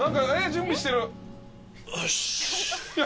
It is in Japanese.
準備してる。